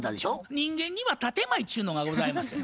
人間には建て前っちゅうのがございますよ。